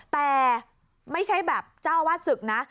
แต่ไม่ใช่แบบเจ้าอาวาสศึกนะ